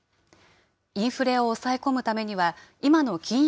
インフレを抑え込むためには、今の金融